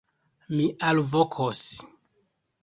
Mi alvokos!